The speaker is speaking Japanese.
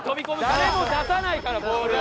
誰も出さないからボール。